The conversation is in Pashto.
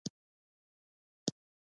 هزاره ګان په مرکزي افغانستان کې دي؟